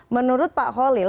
menurut pak holid